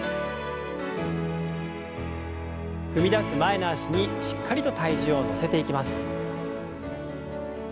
踏み出す前の脚にしっかりと体重を乗せていきます。